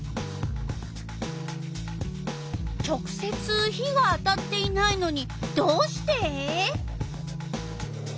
直せつ火が当たっていないのにどうして？